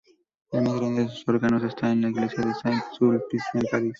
El más grande de sus órganos está en la Iglesia de Saint-Sulpice de París.